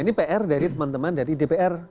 ini pr dari teman teman dari dpr